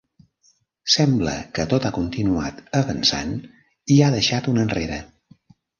Sembla que tot ha continuat avançant i ha deixat un enrere.